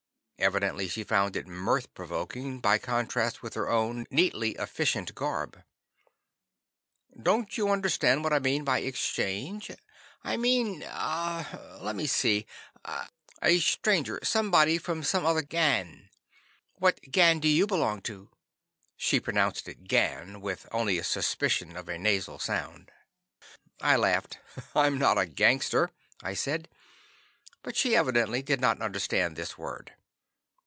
Evidently she found it mirth provoking by contrast with her own neatly efficient garb. "Don't you understand what I mean by 'exchange?' I mean ah let me see a stranger, somebody from some other gang. What gang do you belong to?" (She pronounced it "gan," with only a suspicion of a nasal sound.) I laughed. "I'm not a gangster," I said. But she evidently did not understand this word.